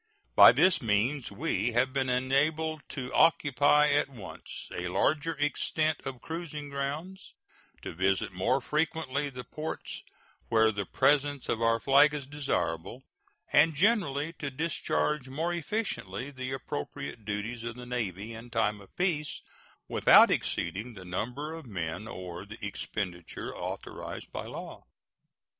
By this means we have been enabled to occupy at once a larger extent of cruising grounds, to visit more frequently the ports where the presence of our flag is desirable, and generally to discharge more efficiently the appropriate duties of the Navy in time of peace, without exceeding the number of men or the expenditure authorized by law.